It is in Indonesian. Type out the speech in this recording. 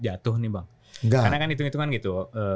jatuh nih bang karena kan hitung hitungan gitu